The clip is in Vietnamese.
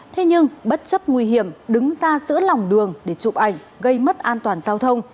thế nhưng bất chấp nguy hiểm đứng ra giữa lòng đường để chụp ảnh gây mất an toàn giao thông